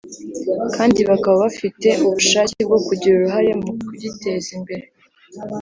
kandi bakaba bafite n’ubushake bwo kugira uruhare mu kugiteza imbere